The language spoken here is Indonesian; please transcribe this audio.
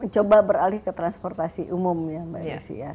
coba beralih ke transportasi umum ya mbak risy